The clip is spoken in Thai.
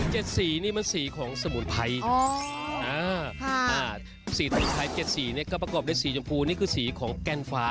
แจดสีนี่มันสีของสมุนไพร